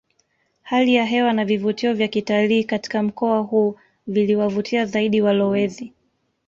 Hali ya hewa na vivutio vya kitalii katika mkoa huu viliwavutia zaidi walowezi